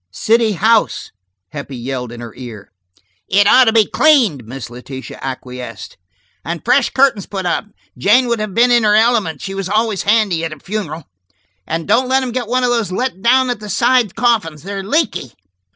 "City house!" Heppie yelled in her ear. "It ought to be cleaned," Miss Letitia acquiesced, "and fresh curtains put up. Jane would have been in her element; she was always handy at a funeral. And don't let them get one of those let down at the side coffins. They're leaky."